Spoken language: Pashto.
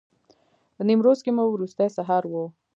نیمروز کې مو وروستی سهار و.